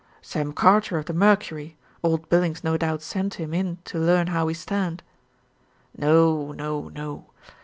"Sam Carter of the Mercury. Old Billings no doubt sent him in to learn how we stand." "No, no, no.